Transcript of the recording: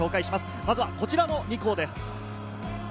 まずはこちらの２校です。